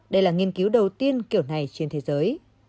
đây là nghiên cứu đầu tiên kiểu này trên thế giới